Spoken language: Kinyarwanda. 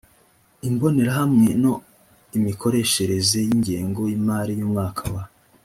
imbonerahamwe no imikoreshereze y ingengo y imari y umwaka wa